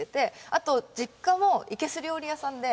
あと実家もいけす料理屋さんで。